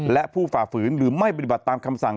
และผู้ฝ่าฝืนหรือไม่ปฏิบัติตามคำสั่ง